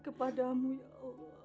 kepadamu ya allah